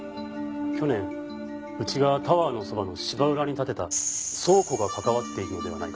去年うちがタワーのそばの芝浦に建てた倉庫がかかわっているのではないかと。